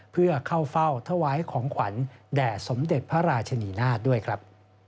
เพื่อเข้าเฝ้าถวายของขวัญแด่สมเด็จพระราชนีนาฏด้วยครับ